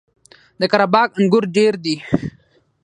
د قره باغ انګور ډیر دي